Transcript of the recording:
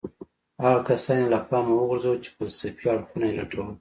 هغه کسان يې له پامه وغورځول چې فلسفي اړخونه يې لټول.